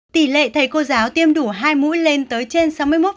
tỷ lệ thầy cô giáo tiêm đủ hai mũi lên tới trên sáu mươi một